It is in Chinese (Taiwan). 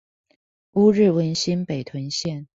烏日文心北屯線